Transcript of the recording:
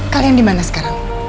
kalian dimana sekarang